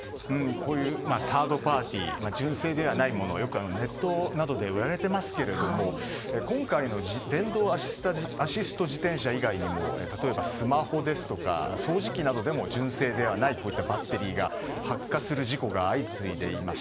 こういう、サードパーティー純正ではないものがよくネットなどで売られていますが今回の電動アシスト自転車以外にも例えば、スマホですとか掃除機などでも、純正ではないバッテリーが発火する事故が相次いでいます。